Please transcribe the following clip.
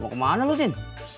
gua ke mana lu tin